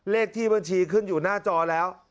เลขที่บัญชีขึ้นอยู่หน้าจอแล้ว